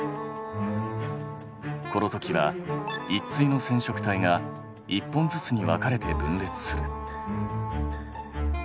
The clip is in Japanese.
このときは１対の染色体が１本ずつに分かれて分裂する。